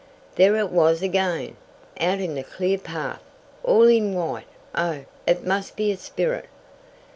There it was again, out in the clear path! All in white! Oh, it must be a spirit!